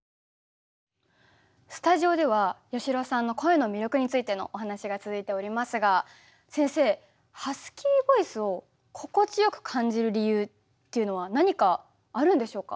スタジオでは八代さんの声の魅力についてのお話が続いておりますが先生ハスキーボイスを心地よく感じる理由っていうのは何かあるんでしょうか？